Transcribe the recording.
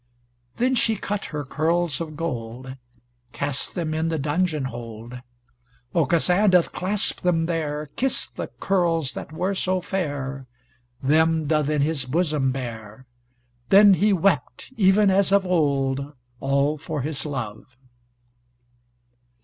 Then she cut her curls of gold, Cast them in the dungeon hold, Aucassin doth clasp them there, Kissed the curls that were so fair, Them doth in his bosom bear, Then he wept, even as of old, All for his love!